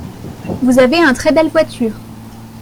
Vous avez un très belle voiture.